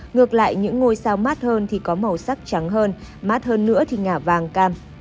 ngược lại những ngôi sao mát hơn thì có màu sắc trắng hơn mát hơn nữa thì ngả vàng cam